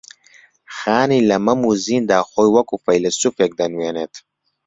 خانی لە مەم و زیندا خۆی وەک فەیلەسووفێکدا دەنووێنێت